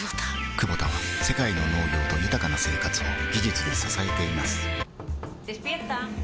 クボタは世界の農業と豊かな生活を技術で支えています起きて。